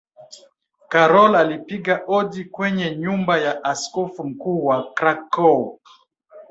karol alipiga hodi kwenye nyumba ya askofu mkuu wa Krakow